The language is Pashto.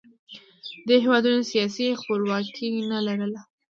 دې هېوادونو سیاسي خپلواکي نه لرله